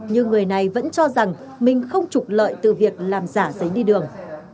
nhưng người này vẫn cho rằng mình không trục lợi từ việc làm giả giấy đi đường